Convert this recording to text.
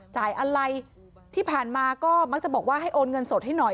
จ่ายอะไรที่ผ่านมาก็มักจะบอกว่าให้โอนเงินสดให้หน่อย